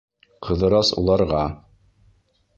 Ҡыҙырас уларға: